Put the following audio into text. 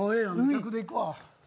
客でいくわ。